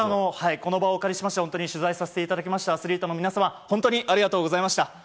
この場をお借りしまして取材させていただきましたアスリートの皆様本当にありがとうございました。